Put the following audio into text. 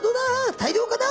大漁かな？